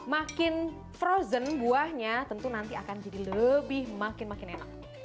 makin frozen buahnya tentu nanti akan jadi lebih makin makin enak